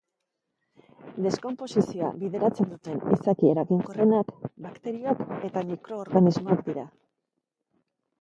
Deskonposizioa bideratzen duten izaki eraginkorrenak bakterioak eta mikroorganismoak dira.